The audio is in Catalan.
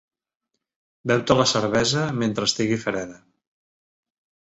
Beu-te la cervesa mentre estigui freda.